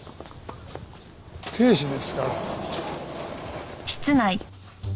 警視ですから。